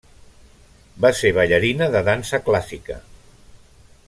Va ser ballarina de dansa clàssica.